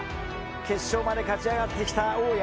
決勝まで勝ち上がってきた大矢。